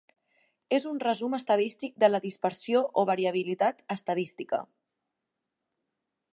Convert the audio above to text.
És un resum estadístic de la dispersió o variabilitat estadística.